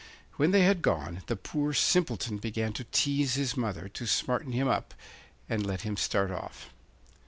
When they had gone the poor Simpleton began to tease his mother to smarten him up and let him start off.